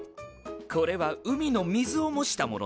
これは海の水を模したものです。